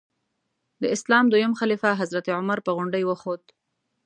د اسلام دویم خلیفه حضرت عمر په غونډۍ وخوت.